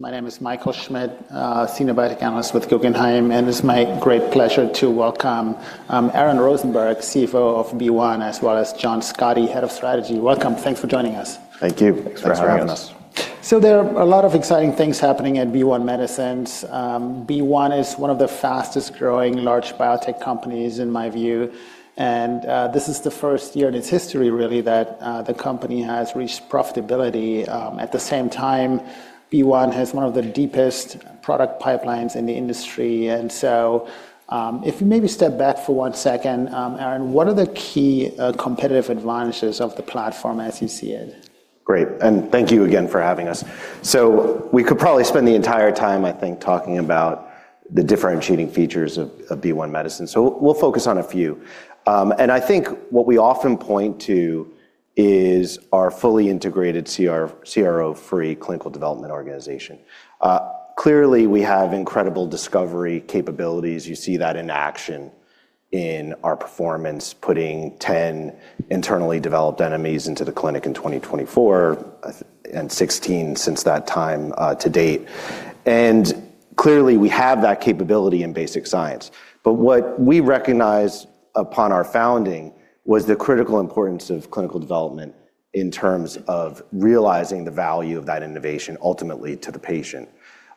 My name is Michael Schmidt, Senior Biotech Analyst with Guggenheim, and it's my great pleasure to welcome Aaron Rosenberg, CFO of BeOne, as well as John Scott, Head of Strategy. Welcome. Thanks for joining us. Thank you for having us. There are a lot of exciting things happening at BeOne Medicines. BeOne is one of the fastest-growing large biotech companies, in my view, and this is the first year in its history, really, that the company has reached profitability. At the same time, BeOne has one of the deepest product pipelines in the industry. If we maybe step back for one second, Aaron, what are the key competitive advantages of the platform as you see it? Great. Thank you again for having us. We could probably spend the entire time, I think, talking about the differentiating features of BeOne Medicines. We will focus on a few. I think what we often point to is our fully integrated CRO-free clinical development organization. Clearly, we have incredible discovery capabilities. You see that in action in our performance, putting 10 internally developed NMEs into the clinic in 2024 and 16 since that time to date. Clearly, we have that capability in basic science. What we recognized upon our founding was the critical importance of clinical development in terms of realizing the value of that innovation ultimately to the patient.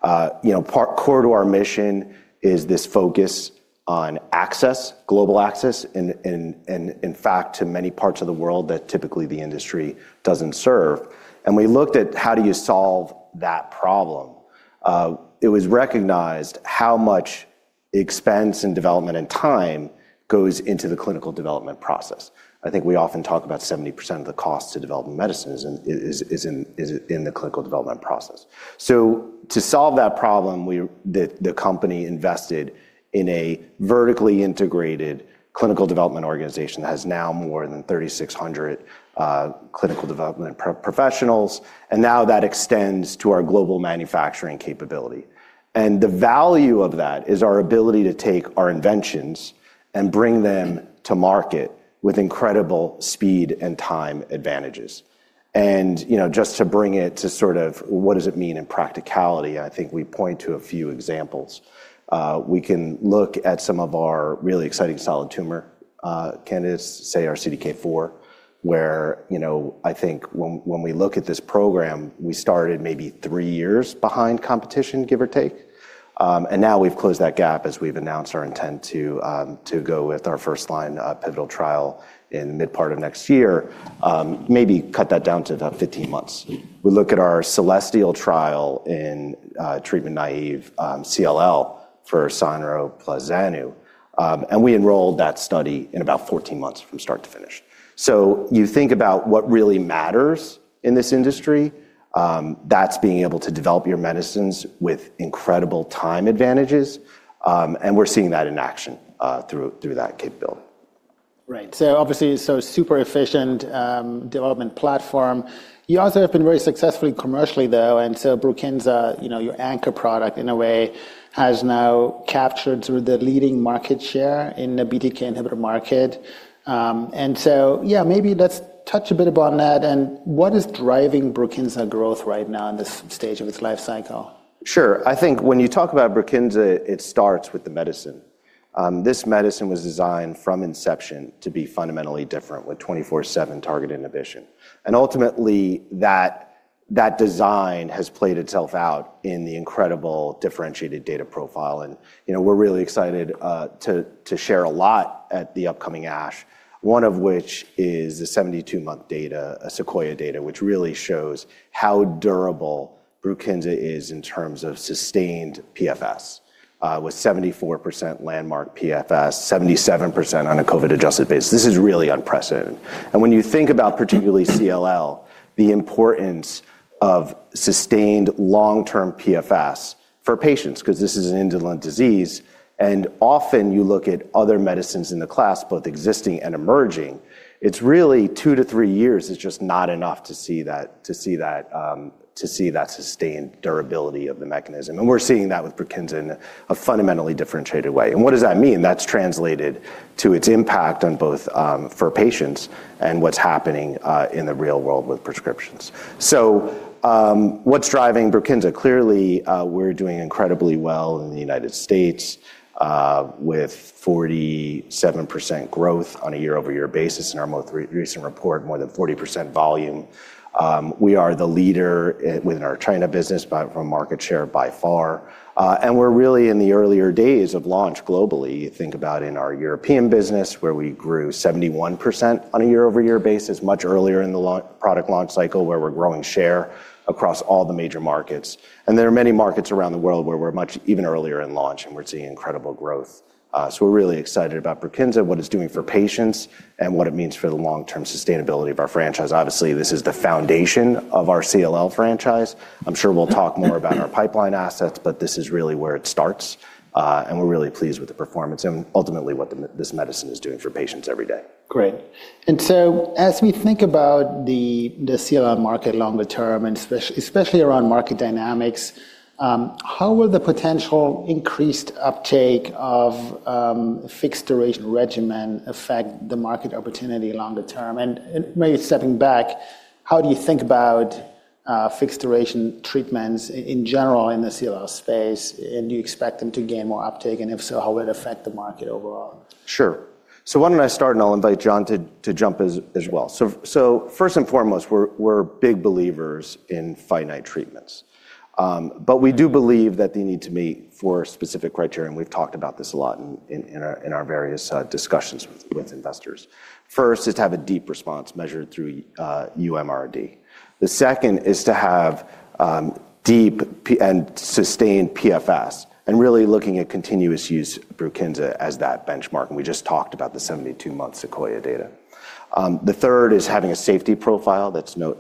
Core to our mission is this focus on access, global access, and in fact, to many parts of the world that typically the industry does not serve. We looked at how do you solve that problem. It was recognized how much expense and development and time goes into the clinical development process. I think we often talk about 70% of the cost to develop medicines is in the clinical development process. To solve that problem, the company invested in a vertically integrated clinical development organization that has now more than 3,600 clinical development professionals. Now that extends to our global manufacturing capability. The value of that is our ability to take our inventions and bring them to market with incredible speed and time advantages. Just to bring it to sort of what does it mean in practicality, I think we point to a few examples. We can look at some of our really exciting solid tumor candidates, say, our CDK4, where I think when we look at this program, we started maybe three years behind competition, give or take. Now we've closed that gap as we've announced our intent to go with our first line pivotal trial in the mid-part of next year, maybe cut that down to about 15 months. We look at our Celestial trial in treatment-naive CLL for cyanoplasmia. We enrolled that study in about 14 months from start to finish. You think about what really matters in this industry, that's being able to develop your medicines with incredible time advantages. We're seeing that in action through that capability. Right. Obviously, it's a super efficient development platform. You also have been very successful commercially, though. Brukinsa, your anchor product in a way, has now captured sort of the leading market share in the BTK inhibitor market. Yeah, maybe let's touch a bit upon that. What is driving Brukinsa growth right now in this stage of its life cycle? Sure. I think when you talk about Brukinsa, it starts with the medicine. This medicine was designed from inception to be fundamentally different with 24/7 target inhibition. Ultimately, that design has played itself out in the incredible differentiated data profile. We're really excited to share a lot at the upcoming ASH, one of which is the 72-month data, a Sequoia data, which really shows how durable Brukinsa is in terms of sustained PFS with 74% landmark PFS, 77% on a COVID-adjusted basis. This is really unprecedented. When you think about particularly CLL, the importance of sustained long-term PFS for patients, because this is an indolent disease, and often you look at other medicines in the class, both existing and emerging, it's really two to three years, it's just not enough to see that sustained durability of the mechanism. We're seeing that with Brukinsa in a fundamentally differentiated way. What does that mean? That's translated to its impact for patients and what's happening in the real world with prescriptions. What's driving Brukinsa? Clearly, we're doing incredibly well in the United States with 47% growth on a year-over-year basis. In our most recent report, more than 40% volume. We are the leader within our China business from a market share by far. We're really in the earlier days of launch globally. You think about in our European business, where we grew 71% on a year-over-year basis much earlier in the product launch cycle, where we're growing share across all the major markets. There are many markets around the world where we're much even earlier in launch, and we're seeing incredible growth. We're really excited about Brukinsa, what it's doing for patients, and what it means for the long-term sustainability of our franchise. Obviously, this is the foundation of our CLL franchise. I'm sure we'll talk more about our pipeline assets, but this is really where it starts. We're really pleased with the performance and ultimately what this medicine is doing for patients every day. Great. As we think about the CLL market longer term, and especially around market dynamics, how will the potential increased uptake of fixed duration regimen affect the market opportunity longer term? Maybe stepping back, how do you think about fixed duration treatments in general in the CLL space? Do you expect them to gain more uptake? If so, how will it affect the market overall? Sure. Why don't I start, and I'll invite John to jump in as well. First and foremost, we're big believers in finite treatments. We do believe that they need to meet four specific criteria. We've talked about this a lot in our various discussions with investors. First is to have a deep response measured through UMRD. The second is to have deep and sustained PFS, and really looking at continuous use Brukinsa as that benchmark. We just talked about the 72-month SEQUOIA data. The third is having a safety profile that's no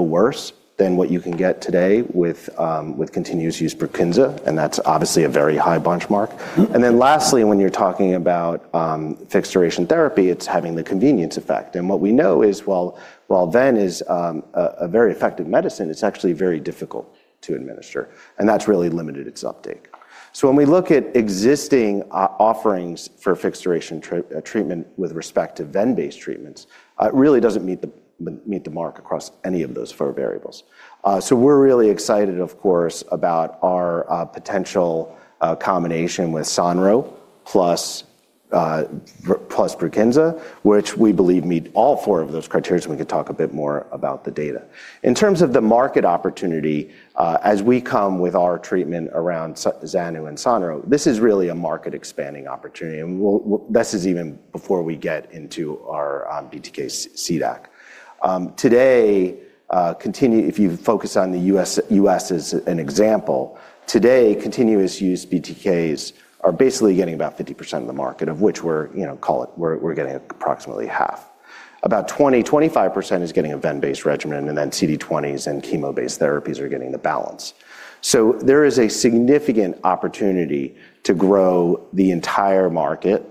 worse than what you can get today with continuous use Brukinsa. That's obviously a very high benchmark. Lastly, when you're talking about fixed-duration therapy, it's having the convenience effect. What we know is while VEN is a very effective medicine, it's actually very difficult to administer. That has really limited its uptake. When we look at existing offerings for fixed-duration treatment with respect to VEN-based treatments, it really does not meet the mark across any of those four variables. We are really excited, of course, about our potential combination with SONRO plus Brukinsa, which we believe meet all four of those criteria. We could talk a bit more about the data. In terms of the market opportunity, as we come with our treatment around Zanu and Sono, this is really a market-expanding opportunity. This is even before we get into our BDK CDAC. Today, if you focus on the U.S. as an example, continuous use BDKs are basically getting about 50% of the market, of which we are getting approximately half. About 20%-25% is getting a VEN-based regimen. CD20s and chemo-based therapies are getting the balance. There is a significant opportunity to grow the entire market,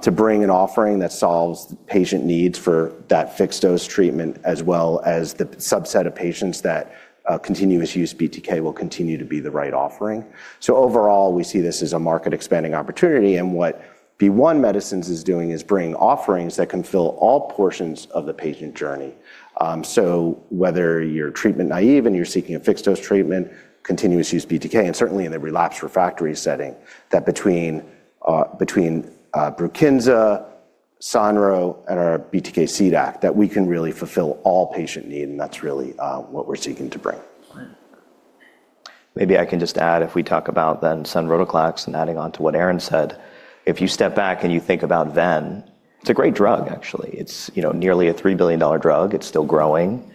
to bring an offering that solves patient needs for that fixed dose treatment, as well as the subset of patients that continuous use BDK will continue to be the right offering. Overall, we see this as a market expanding opportunity. What BeOne Medicines is doing is bringing offerings that can fill all portions of the patient journey. Whether you're treatment naive and you're seeking a fixed dose treatment, continuous use BDK, and certainly in the relapse refractory setting, between Brukinsa, SONRO, and our BDK CDAC, we can really fulfill all patient need. That is really what we're seeking to bring. Maybe I can just add, if we talk about then sonrotoclax and adding on to what Aaron said, if you step back and you think about VEN, it's a great drug, actually. It's nearly a $3 billion drug. It's still growing.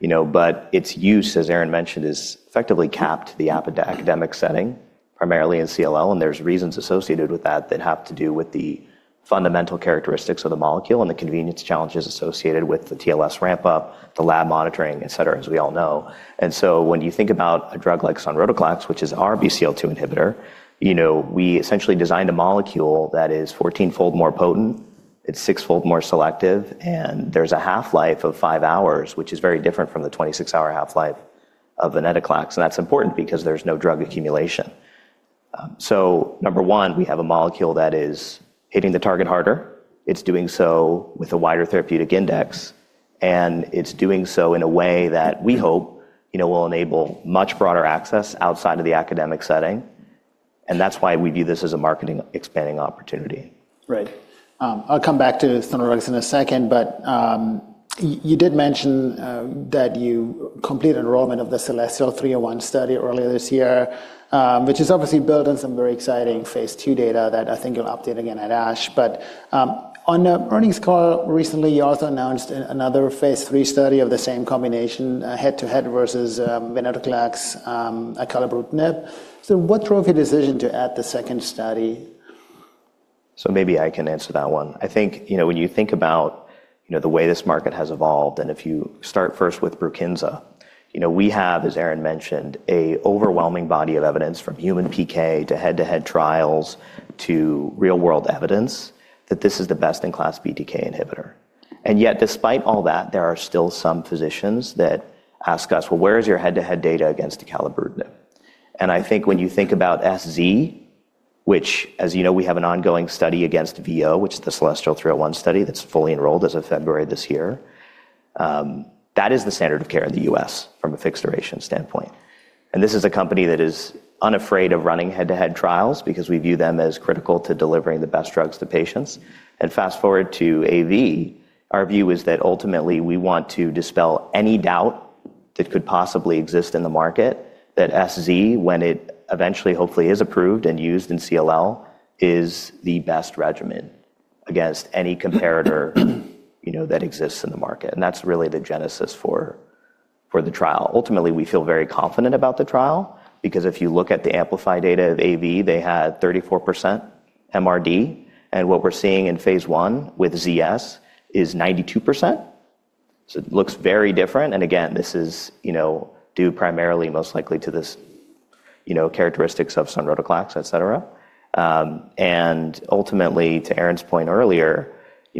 Its use, as Aaron mentioned, is effectively capped in the academic setting, primarily in CLL. There are reasons associated with that that have to do with the fundamental characteristics of the molecule and the convenience challenges associated with the TLS ramp-up, the lab monitoring, et cetera, as we all know. When you think about a drug like sonrotoclax, which is our BCL‑2 inhibitor, we essentially designed a molecule that is 14-fold more potent. It's six-fold more selective. There is a half-life of five hours, which is very different from the 26-hour half-life of venetoclax. That's important because there's no drug accumulation. Number one, we have a molecule that is hitting the target harder. It's doing so with a wider therapeutic index. It's doing so in a way that we hope will enable much broader access outside of the academic setting. That's why we view this as a marketing expanding opportunity. Right. I'll come back to SONRO in a second. You did mention that you completed enrollment of the Celestial 301 study earlier this year, which is obviously built on some very exciting phase II data that I think you'll update again at ASH. On the earnings call recently, you also announced another phase III study of the same combination, head-to-head versus venetoclax, acalabrutinib. What drove your decision to add the second study? Maybe I can answer that one. I think when you think about the way this market has evolved, and if you start first with Brukinsa, we have, as Aaron mentioned, an overwhelming body of evidence from human PK to head-to-head trials to real-world evidence that this is the best-in-class BTK inhibitor. Yet, despite all that, there are still some physicians that ask us, well, where is your head-to-head data against acalabrutinib? I think when you think about SZ, which, as you know, we have an ongoing study against VEN, which is the Celestial 301 study that's fully enrolled as of February this year, that is the standard of care in the U.S. from a fixed-duration standpoint. This is a company that is unafraid of running head-to-head trials because we view them as critical to delivering the best drugs to patients. Fast forward to AV, our view is that ultimately we want to dispel any doubt that could possibly exist in the market that SZ, when it eventually hopefully is approved and used in CLL, is the best regimen against any comparator that exists in the market. That is really the genesis for the trial. Ultimately, we feel very confident about the trial because if you look at the amplified data of AV, they had 34% MRD. What we are seeing in phase I with ZS is 92%. It looks very different. Again, this is due primarily most likely to the characteristics of sonrotoclax, et cetera. To Aaron's point earlier,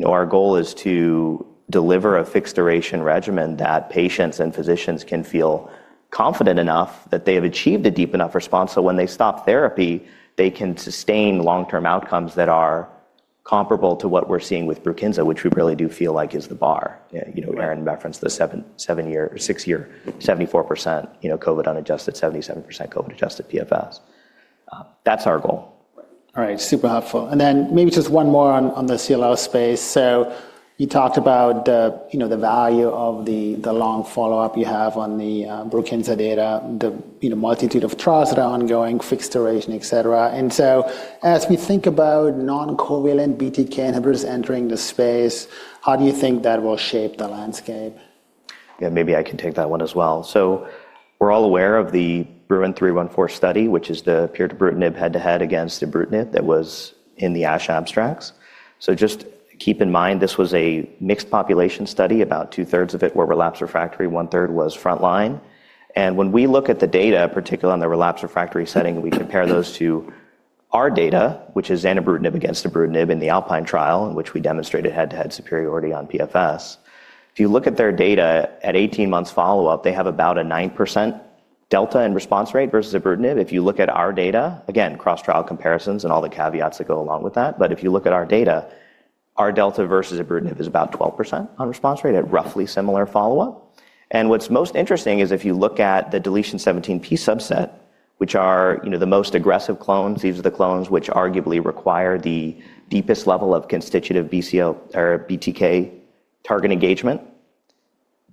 our goal is to deliver a fixed-duration regimen that patients and physicians can feel confident enough that they have achieved a deep enough response so when they stop therapy, they can sustain long-term outcomes that are comparable to what we're seeing with Brukinsa, which we really do feel like is the bar. Aaron referenced the seven-year or six-year 74% COVID unadjusted, 77% COVID adjusted PFS. That's our goal. Right. Super helpful. Maybe just one more on the CLL space. You talked about the value of the long follow-up you have on the Brukinsa data, the multitude of trials that are ongoing, fixed duration, et cetera. As we think about non-covalent BTK inhibitors entering the space, how do you think that will shape the landscape? Yeah, maybe I can take that one as well. We are all aware of the BRUIN 314 study, which is the pirtobrutinib head-to-head against ibrutinib that was in the ASH abstracts. Just keep in mind, this was a mixed population study. About two-thirds of it were relapsed refractory. One-third was frontline. When we look at the data, particularly on the relapsed refractory setting, we compare those to our data, which is zanubrutinib against ibrutinib in the Alpine trial, in which we demonstrated head-to-head superiority on PFS. If you look at their data at 18 months follow-up, they have about a 9% delta in response rate versus ibrutinib. If you look at our data, again, cross-trial comparisons and all the caveats that go along with that. If you look at our data, our delta versus ibrutinib is about 12% on response rate at roughly similar follow-up. What's most interesting is if you look at the deletion 17p subset, which are the most aggressive clones, these are the clones which arguably require the deepest level of constitutive BTK target engagement.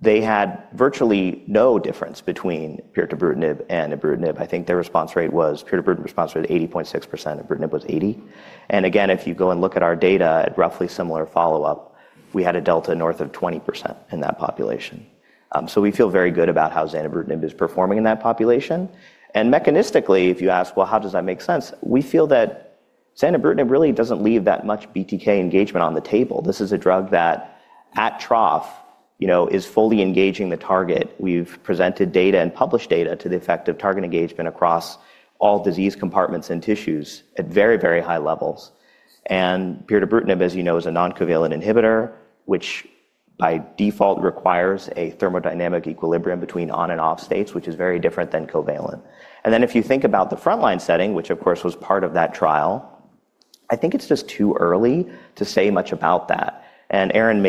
They had virtually no difference between pirtobrutinib and acalabrutinib. I think their response rate was pirtobrutinib response rate was 80.6%. Acalabrutinib was 80%. If you go and look at our data at roughly similar follow-up, we had a delta north of 20% in that population. We feel very good about how zanubrutinib is performing in that population. Mechanistically, if you ask, how does that make sense, we feel that zanubrutinib really does not leave that much BTK engagement on the table. This is a drug that at trough is fully engaging the target. have presented data and published data to the effect of target engagement across all disease compartments and tissues at very, very high levels. Peer-to-brutinib, as you know, is a non-covalent inhibitor, which by default requires a thermodynamic equilibrium between on and off states, which is very different than covalent. If you think about the frontline setting, which of course was part of that trial, I think it is just too early to say much about that. Aaron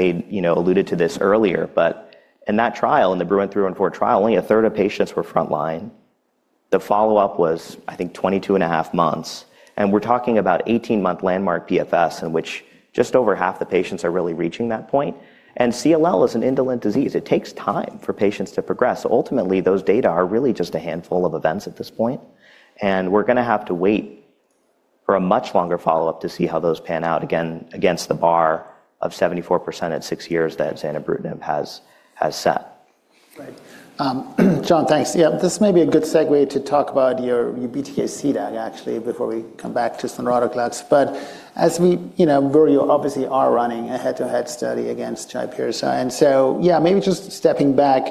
alluded to this earlier. In that trial, in the BRUIN 314 trial, only a third of patients were frontline. The follow-up was, I think, 22.5 months. We are talking about 18-month landmark PFS, in which just over half the patients are really reaching that point. CLL is an indolent disease. It takes time for patients to progress. Ultimately, those data are really just a handful of events at this point. We're going to have to wait for a much longer follow-up to see how those pan out again against the bar of 74% at six years that zanubrutinib has set. Right. John, thanks. Yeah, this may be a good segue to talk about your BDK CDAC, actually, before we come back to sonrotoclax. But as we obviously are running a head-to-head study against pirtobrutinib. Yeah, maybe just stepping back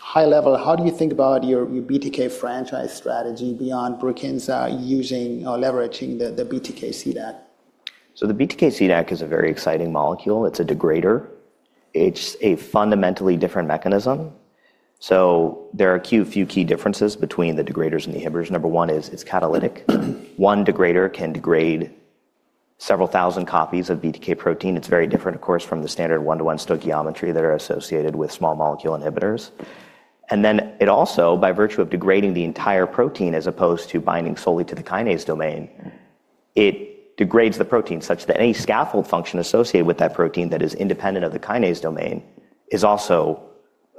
high level, how do you think about your BTK franchise strategy beyond Brukinsa using or leveraging the BDK CDAC? The BDK CDAC is a very exciting molecule. It's a degrader. It's a fundamentally different mechanism. There are a few key differences between the degraders and the inhibitors. Number one is it's catalytic. One degrader can degrade several thousand copies of BDK protein. It's very different, of course, from the standard one-to-one stoichiometry that is associated with small molecule inhibitors. It also, by virtue of degrading the entire protein as opposed to binding solely to the kinase domain, degrades the protein such that any scaffold function associated with that protein that is independent of the kinase domain is also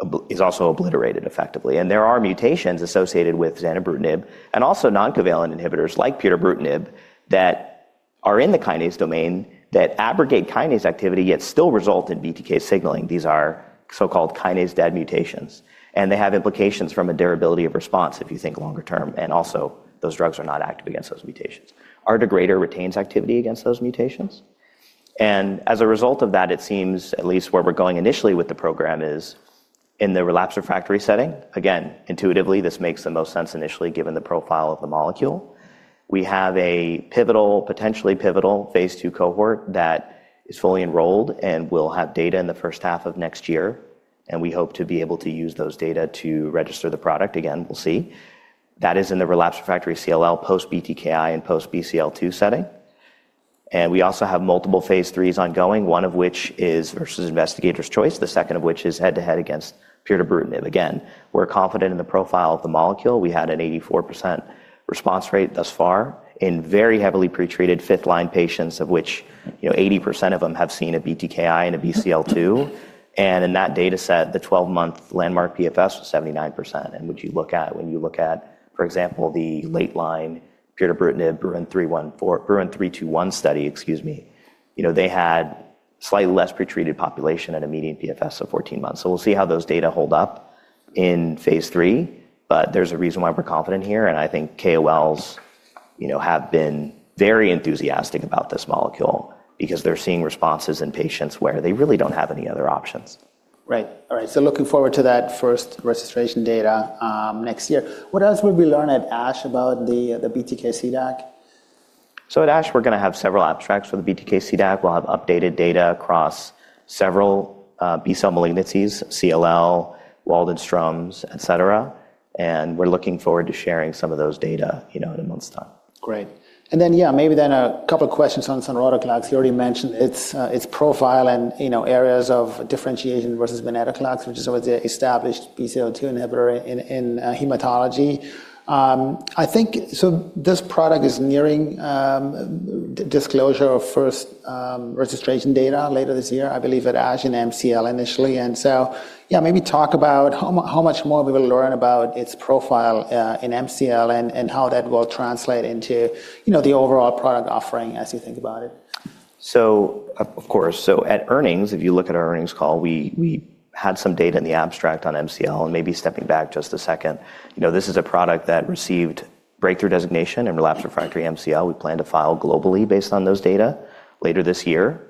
obliterated effectively. There are mutations associated with zanubrutinib and also non-covalent inhibitors like pirtobrutinib that are in the kinase domain that aggregate kinase activity, yet still result in BDK signaling. These are so-called kinase dead mutations. They have implications from a durability of response, if you think longer term. Also, those drugs are not active against those mutations. Our degrader retains activity against those mutations. As a result of that, it seems, at least where we're going initially with the program, is in the relapse refractory setting. Intuitively, this makes the most sense initially given the profile of the molecule. We have a potentially pivotal phase II cohort that is fully enrolled and will have data in the first half of next year. We hope to be able to use those data to register the product. We'll see. That is in the relapse refractory CLL post-BDKI and post-BCL‑2 setting. We also have multiple phase IIIs ongoing, one of which is versus investigators' choice, the second of which is head-to-head against pirtobrutinib. Again, we're confident in the profile of the molecule. We had an 84% response rate thus far in very heavily pretreated fifth-line patients, of which 80% of them have seen a BTKi and a BCL‑2. In that data set, the 12-month landmark PFS was 79%. When you look at, for example, the late-line pirtobrutinib BRUIN 314 study, excuse me, they had a slightly less pretreated population and a median PFS of 14 months. We will see how those data hold up in phase III. There is a reason why we're confident here. I think KOLs have been very enthusiastic about this molecule because they're seeing responses in patients where they really do not have any other options. Right. All right. So looking forward to that first registration data next year. What else will we learn at ASH about the BDK CDAC? At ASH, we're going to have several abstracts for the BDK CDAC. We'll have updated data across several B-cell malignancies, CLL, Waldenstroms, et cetera. We're looking forward to sharing some of those data in a month's time. Great. Yeah, maybe then a couple of questions on sonrotoclax. You already mentioned its profile and areas of differentiation versus venetoclax, which is always an established BCL‑2 inhibitor in hematology. I think this product is nearing disclosure of first registration data later this year, I believe, at ASH and MCL initially. Yeah, maybe talk about how much more we will learn about its profile in MCL and how that will translate into the overall product offering as you think about it. Of course, at earnings, if you look at our earnings call, we had some data in the abstract on MCL. Maybe stepping back just a second, this is a product that received breakthrough designation in relapsed refractory MCL. We plan to file globally based on those data later this year.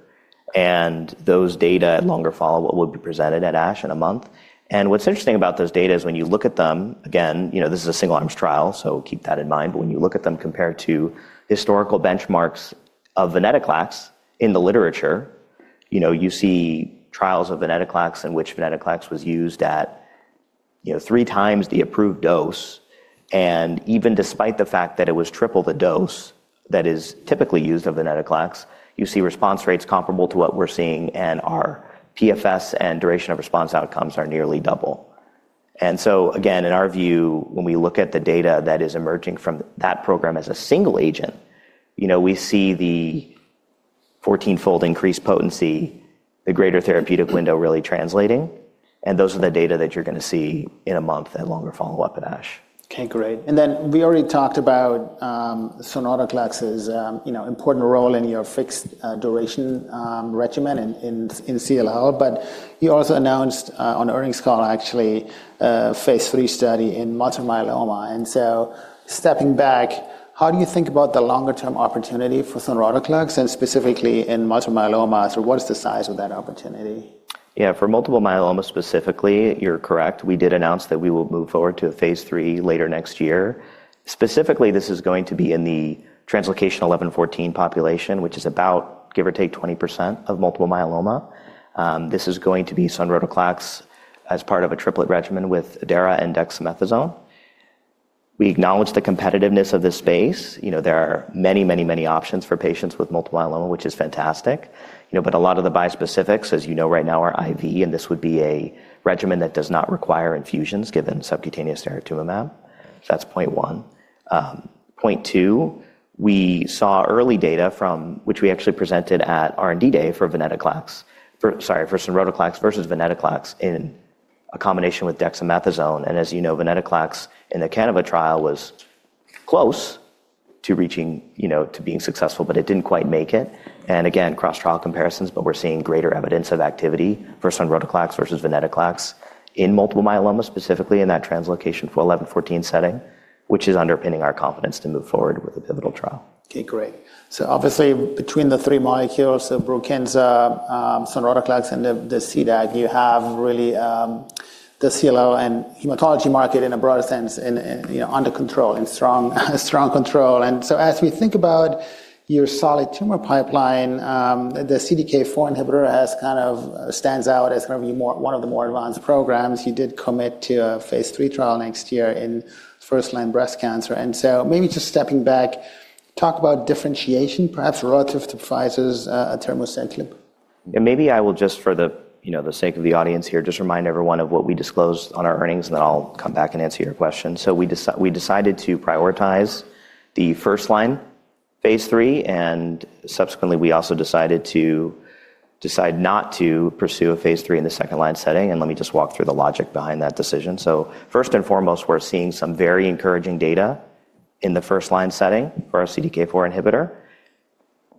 Those data at longer follow-up will be presented at ASH in a month. What's interesting about those data is when you look at them, again, this is a single-arm trial, so keep that in mind. When you look at them compared to historical benchmarks of venetoclax in the literature, you see trials of venetoclax in which venetoclax was used at three times the approved dose. Even despite the fact that it was triple the dose that is typically used of venetoclax, you see response rates comparable to what we're seeing. Our PFS and duration of response outcomes are nearly double. Again, in our view, when we look at the data that is emerging from that program as a single agent, we see the 14-fold increased potency, the greater therapeutic window really translating. Those are the data that you're going to see in a month at longer follow-up at ASH. Okay, great. We already talked about sonrotoclax's important role in your fixed-duration regimen in CLL. You also announced on the earnings call, actually, a phase III study in multiple myeloma. Stepping back, how do you think about the longer-term opportunity for sonrotoclax and specifically in multiple myeloma? What is the size of that opportunity? Yeah, for multiple myeloma specifically, you're correct. We did announce that we will move forward to a phase III later next year. Specifically, this is going to be in the translocation 11;14 population, which is about, give or take, 20% of multiple myeloma. This is going to be sonrotoclax as part of a triplet regimen with daratumumab and dexamethasone. We acknowledge the competitiveness of this space. There are many, many options for patients with multiple myeloma, which is fantastic. A lot of the bispecifics, as you know, right now are IV. This would be a regimen that does not require infusions given subcutaneous daratumumab. That's point one. Point two, we saw early data from which we actually presented at R&D day for venetoclax, sorry, for sonrotoclax versus venetoclax in a combination with dexamethasone. As you know, venetoclax in the Canova trial was close to reaching to being successful, but it did not quite make it. Again, cross-trial comparisons, but we are seeing greater evidence of activity for sonrotoclax versus venetoclax in multiple myeloma, specifically in that translocation 11;14 setting, which is underpinning our confidence to move forward with a pivotal trial. Okay, great. Obviously, between the three molecules, the Brukinsa, sonrotoclax, and the CDAC, you have really the CLL and hematology market in a broader sense under control, in strong control. As we think about your solid tumor pipeline, the CDK4/6 inhibitor kind of stands out as one of the more advanced programs. You did commit to a phase III trial next year in first-line breast cancer. Maybe just stepping back, talk about differentiation, perhaps relative to Pfizer's palbociclib. Yeah, maybe I will just, for the sake of the audience here, just remind everyone of what we disclosed on our earnings, and then I'll come back and answer your question. We decided to prioritize the first-line phase III. Subsequently, we also decided not to pursue a phase III in the second-line setting. Let me just walk through the logic behind that decision. First and foremost, we're seeing some very encouraging data in the first-line setting for our CDK4/6 inhibitor.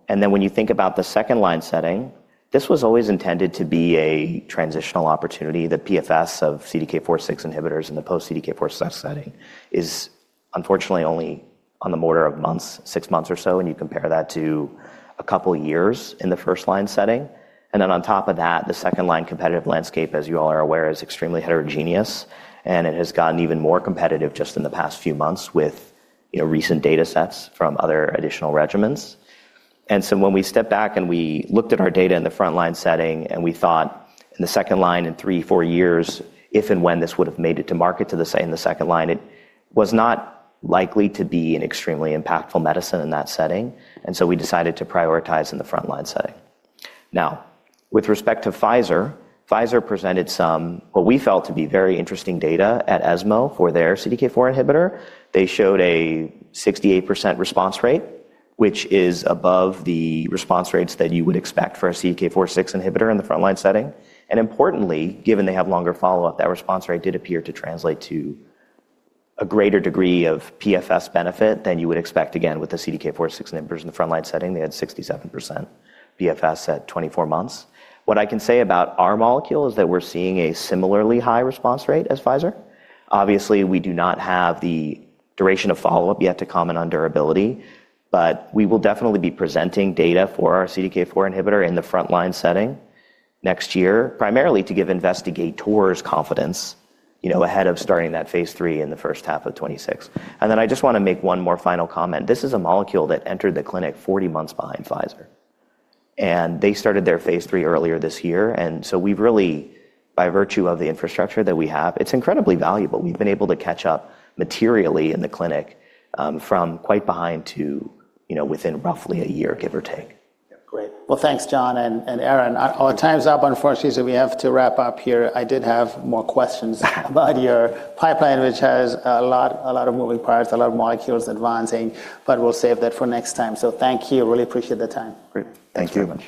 When you think about the second-line setting, this was always intended to be a transitional opportunity. The PFS of CDK4/6 inhibitors in the post-CDK4/6 setting is unfortunately only on the order of months, six months or so. You compare that to a couple of years in the first-line setting. On top of that, the second-line competitive landscape, as you all are aware, is extremely heterogeneous. It has gotten even more competitive just in the past few months with recent data sets from other additional regimens. When we stepped back and we looked at our data in the frontline setting and we thought in the second line in three, four years, if and when this would have made it to market to the second line, it was not likely to be an extremely impactful medicine in that setting. We decided to prioritize in the frontline setting. Now, with respect to Pfizer, Pfizer presented some what we felt to be very interesting data at ESMO for their CDK4 inhibitor. They showed a 68% response rate, which is above the response rates that you would expect for a CDK4/6 inhibitor in the frontline setting. Importantly, given they have longer follow-up, that response rate did appear to translate to a greater degree of PFS benefit than you would expect, again, with the CDK4/6 inhibitors in the frontline setting. They had 67% PFS at 24 months. What I can say about our molecule is that we're seeing a similarly high response rate as Pfizer. Obviously, we do not have the duration of follow-up yet to comment on durability. We will definitely be presenting data for our CDK4 inhibitor in the frontline setting next year, primarily to give investigators confidence ahead of starting that phase III in the first half of 2026. I just want to make one more final comment. This is a molecule that entered the clinic 40 months behind Pfizer. They started their phase III earlier this year. We have really, by virtue of the infrastructure that we have, it's incredibly valuable. We have been able to catch up materially in the clinic from quite behind to within roughly a year, give or take. Great. Thanks, John and Aaron. Our time's up, unfortunately. We have to wrap up here. I did have more questions about your pipeline, which has a lot of moving parts, a lot of molecules advancing. We'll save that for next time. Thank you. Really appreciate the time. Great. Thank you very much.